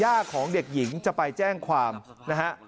ของเด็กหญิงจะไปแจ้งความนะฮะ